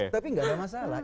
tapi nggak ada masalah